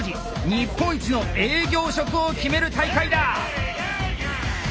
日本一の営業職を決める大会だ！